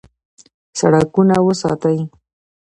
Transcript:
سړکونه وساتئ